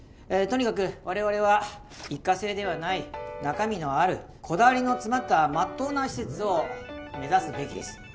とにかくわれわれは一過性ではない中身のあるこだわりの詰まったまっとうな施設を目指すべきです。